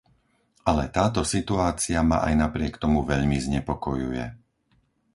Ale táto situácia ma aj napriek tomu veľmi znepokojuje.